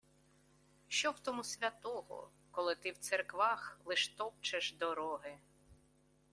Що в тому святого, Коли ти в церквах лиш топчеш дороги.